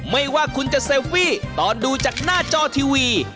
ไม่ว่าคุณจะเซลฟี่ตอนดูจากหน้าจอทีวี